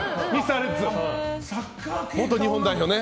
元日本代表ね。